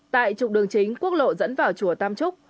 tại trục đường chính quốc lộ dẫn vào chùa tam trúc